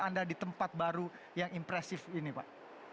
anda di tempat baru yang impresif ini pak